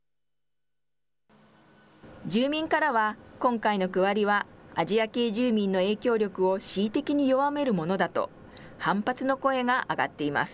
住民からは、今回の区割りはアジア系住民の影響力を恣意的に弱めるものだと、反発の声が上がっています。